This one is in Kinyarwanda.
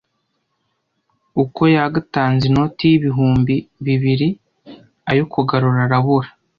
Uko yagatanze inoti y’ibihumbi bibiri ayo kugarura arabura